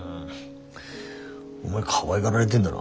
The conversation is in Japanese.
お前かわいがられでんだな。